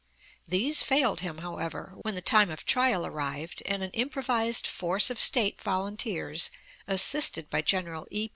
These failed him, however, when the time of trial arrived, and an improvised force of State volunteers, assisted by General E.